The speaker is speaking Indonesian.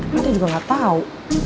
tapi dia juga gak tau